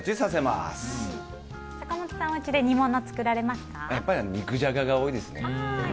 坂本さんはやっぱり肉じゃがが多いですね。